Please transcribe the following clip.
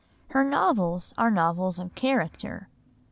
Her novels are novels of character.